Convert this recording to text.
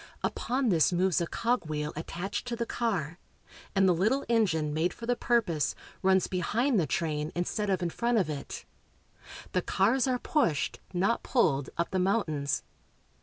Upon this moves a cogwheel attached to the car, and the little engine, made for the purpose, runs behind the train instead of in front of it. The cars are pushed, not pulled, up the mountains.